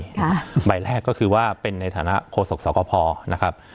ค่ะใบแรกก็คือว่าเป็นในฐานะโฆษกสกพนะครับ